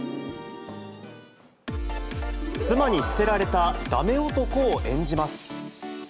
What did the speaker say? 妻に捨てられたダメ男を演じます。